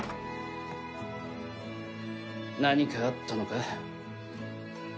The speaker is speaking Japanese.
何かあったのか？